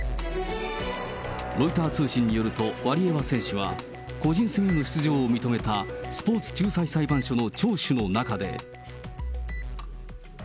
ロイター通信によると、ワリエワ選手は、個人戦への出場を認めたスポーツ仲裁裁判所の聴取の中で。